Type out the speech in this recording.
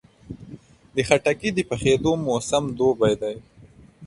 خټکی د پخېدو موسم دوبی دی.